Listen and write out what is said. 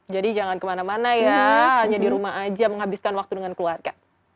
jadi jangan kemana mana ya hanya di rumah aja menghabiskan waktu dengan keluarga